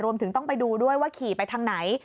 รวมถึงต้องไปดูด้วยว่าขี่ไปทางไหน